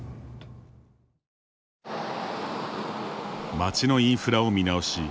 街のインフラを見直し